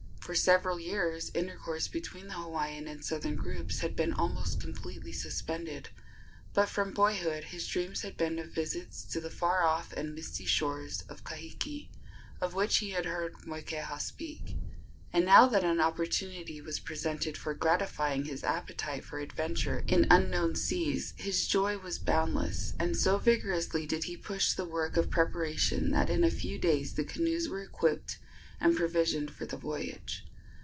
For several years intercourse between the Hawaiian and southern groups had been almost completely suspended, but from boyhood his dreams had been of visits to the far off and misty shores of Kahiki, of which he had heard Moikeha speak; and now that an opportunity was presented for gratifying his appetite for adventure in unknown seas, his joy was boundless, and so vigorously did he push the work of preparation that in a few days the canoes were equipped and provisioned for the voyage.